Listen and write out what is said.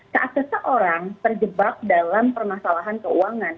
saat seseorang terjebak dalam permasalahan keuangan